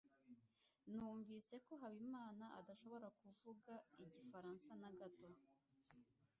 Numvise ko Habimana adashobora kuvuga igifaransa na gato.